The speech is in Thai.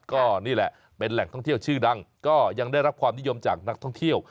ก็นี่แหละเป็นแหล่งท่องเที่ยวชื่อดังก็ยังได้รับความนิยมจากนักท่องเที่ยว